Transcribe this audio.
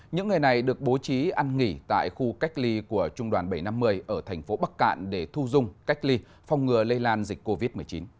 những người này được bố trí ăn nghỉ tại khu cách ly của trung đoàn bảy trăm năm mươi ở thành phố bắc cạn để thu dung cách ly phong ngừa lây lan dịch covid một mươi chín